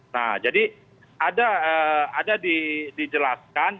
nah jadi ada dijelaskan